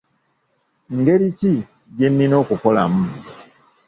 Ngeri ki gyennina okukolamu ?